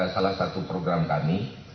salah satu program kami